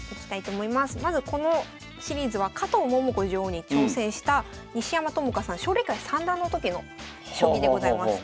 まずこのシリーズは加藤桃子女王に挑戦した西山朋佳さん奨励会三段の時の将棋でございます。